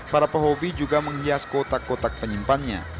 para pehobi juga menghias kotak kotak penyimpannya